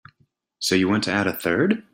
So you want to add a third?